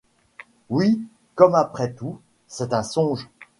Oui, comme après tout, c’est un songe